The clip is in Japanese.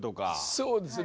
そうですね。